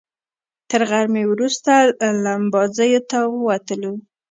تر غرمې وروسته لمباځیو ته ووتلو.